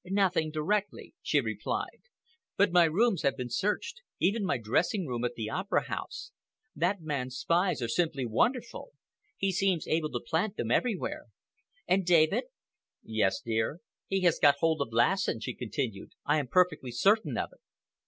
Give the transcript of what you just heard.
"Nothing directly," she replied, "but my rooms have been searched—even my dressing room at the Opera House. That man's spies are simply wonderful. He seems able to plant them everywhere. And, David!—" "Yes, dear?" "He has got hold of Lassen," she continued. "I am perfectly certain of it."